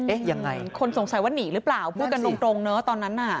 ยังไงคนสงสัยว่าหนีหรือเปล่าพูดกันตรงเนอะตอนนั้นน่ะ